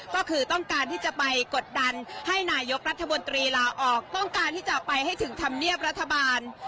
ก็คือต้องการที่จะไปกดดันให้นายกรัฐมนตรีลาออกต้องการที่จะไปให้ถึงธรรมเนียบรัฐบาล